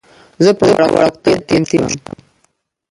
زه په وړکتوب کې یتیم شوم.